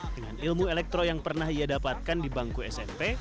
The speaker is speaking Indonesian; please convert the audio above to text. dengan ilmu elektro yang pernah ia dapatkan di bangku smp